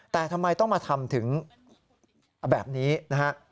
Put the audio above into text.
แต่ทำไมต้องมาทำถึงแบบนี้นะฮะ